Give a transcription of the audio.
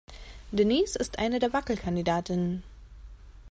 Denise ist eine der Wackelkandidatinnen.